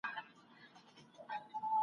د الماسو یې جوړ کړی دی اصلي دی